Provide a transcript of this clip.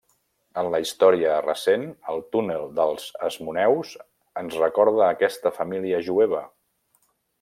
En la història recent, el Túnel dels Asmoneus ens recorda aquesta família jueva.